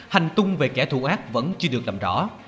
hành tung về kẻ thù ác vẫn chưa được làm rõ